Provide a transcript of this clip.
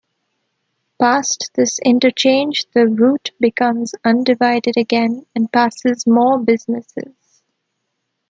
Past this interchange, the route becomes undivided again and passes more businesses.